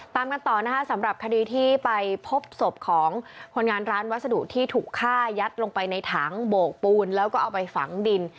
ตามกันต่อนะคะสำหรับคดีที่ไปพบศพของคนงานร้านวัสดุที่ถูกฆ่ายัดลงไปในถังโบกปูนแล้วก็เอาไปฝังดิน